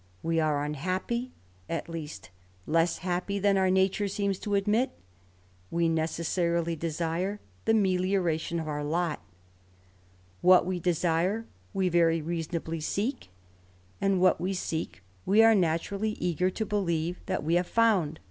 We are unhappy, at least less happy than our nature seems to admit; we necessarily desire the melioration of our lot ; what we desire we very reason ably seek, and what we seek we are naturally eager to believe that we have found.